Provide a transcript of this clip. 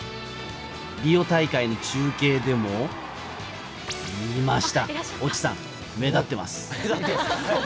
リオ大会の中継でもいました、越智さん目立ってます。